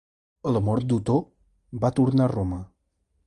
A la mort d'Otó va tornar a Roma.